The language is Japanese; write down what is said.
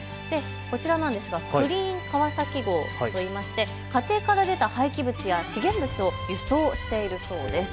こちらなんですがクリーンかわさき号といいまして家庭から出た廃棄物や資源物を輸送しているそうです。